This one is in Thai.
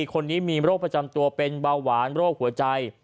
คนนี้มีโรคประจำตัวเป็นเบาหวานโรคหัวใจ